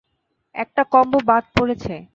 একটা কম্ব বাদ পড়েছে।